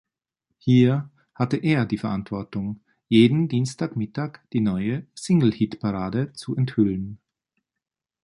Hier hatte er die Verantwortung, jeden Dienstagmittag die neue Single-Hitparade zu enthüllen.